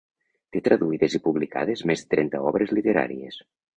Té traduïdes i publicades més de trenta obres literàries.